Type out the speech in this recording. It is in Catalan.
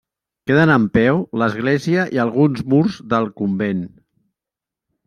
Queden en peu l'església i alguns murs del convent.